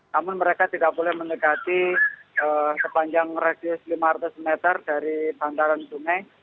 namun mereka tidak boleh mendekati sepanjang radius lima ratus meter dari bantaran sungai